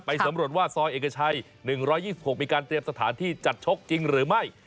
สำรวจว่าซอยเอกชัย๑๒๖มีการเตรียมสถานที่จัดชกจริงหรือไม่